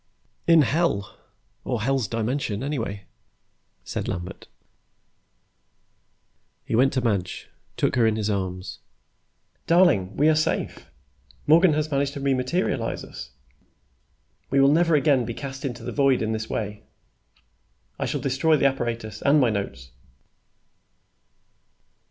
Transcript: "In Hell or Hell's Dimension, anyway," said Lambert. He went to Madge, took her in his arms. "Darling, we are safe. Morgan has managed to re materialize us. We will never again be cast into the void in this way. I shall destroy the apparatus and my notes."